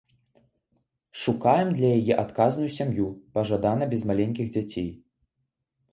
Шукаем для яе адказную сям'ю, пажадана без маленькіх дзяцей.